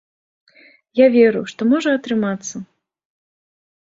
Я веру, што можа атрымацца.